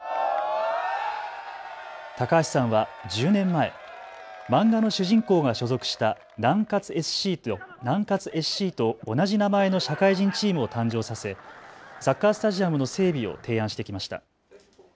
高橋さんは１０年前、漫画の主人公が所属した南葛ＳＣと同じ名前の社会人チームを誕生させ、サッカースタジアムの整備を提案してきました。